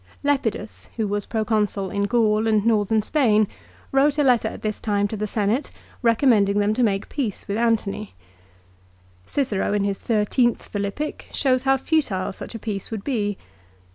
Lepidus, who was Proconsul in Gaul and Northern Spain, D n At wrote a letter at this time to the Senate recommend D.\J. lO. setat. 64. ^ them to make peace with Antony. Cicero in his thirteenth Philippic shows how futile such a peace would be.